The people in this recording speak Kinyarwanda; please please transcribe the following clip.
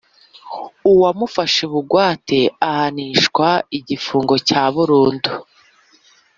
uwamufashe bugwate ahanishwa igifungo cya burundu